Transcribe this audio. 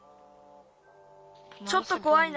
ちょっとこわいな。